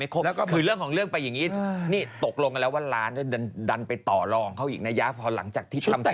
แล้วก็คือเรื่องของเรื่องไปอย่างนี้นี่ตกลงกันแล้วว่าร้านดันไปต่อรองเขาอีกนะยะพอหลังจากที่ทำได้